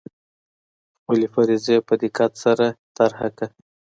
خپلي فرضې په دقت سره طرحه کړه.